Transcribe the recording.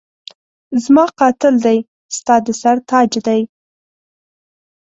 زما قاتل دی ستا د سر تاج دی